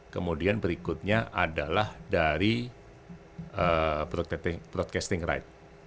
kemudian berikutnya adalah dari broadcasting right